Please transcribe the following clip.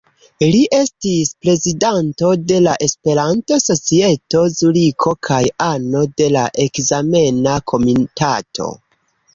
Li estis prezidanto de la Esperanto-Societo Zuriko kaj ano de la ekzamena komitato.